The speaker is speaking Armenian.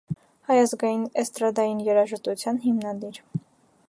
Հայ ազգային էստրադային երաժշտության հիմնադիր։